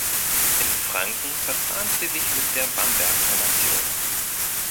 In Franken verzahnt sie sich mit der Bamberg-Formation.